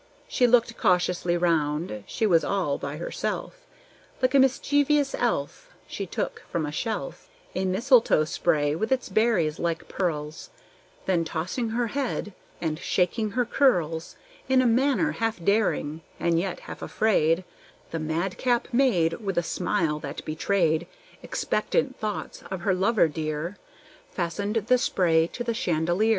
She looked cautiously round, she was all by herself; Like a mischievous elf, She took from a shelf A mistletoe spray with its berries like pearls; Then tossing her head and shaking her curls, In a manner half daring and yet half afraid, The madcap maid, with a smile that betrayed Expectant thoughts of her lover dear, Fastened the spray to the chandelier.